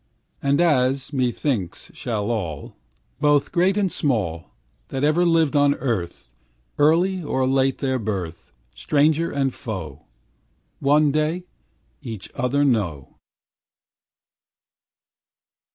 And as, methinks, shall all, Both great and small, That ever lived on earth, Early or late their birth, Stranger and foe, one day each other know.